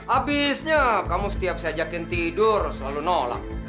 abisnya kamu setiap saya ajakin tidur selalu nolak